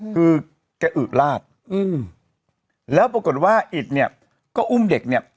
คือแกอึลาดแล้วปรากฏว่าอิตเนี่ยก็อุ้มเด็กเนี่ย